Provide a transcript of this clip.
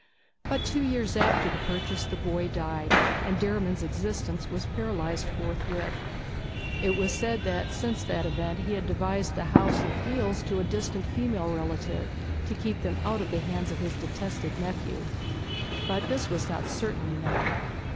But two years after the purchase the boy died, and Derriman's existence was paralyzed forthwith. It was said that since that event he had devised the house and fields to a distant female relative, to keep them out of the hands of his detested nephew; but this was not certainly known.